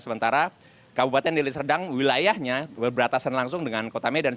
sementara kabupaten deli serdang wilayahnya berbatasan langsung dengan kota medan